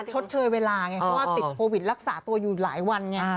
ชดเชยเวลาไงเพราะว่าติดโควิดรักษาตัวอยู่หลายวันไง